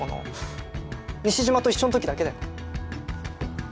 西島と一緒の時だけだよ。